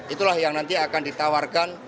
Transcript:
itulah yang nanti akan ditawarkan